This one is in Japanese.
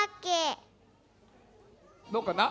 どうかな？